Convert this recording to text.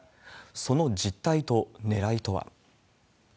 その実態とねらいとは。